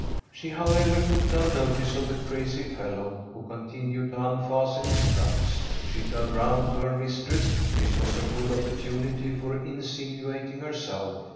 She, however, took no notice of the crazy fel k>w« who continued to unfasten his straps. She turned round to her mistress. This was a good opportunity for insinuating herself.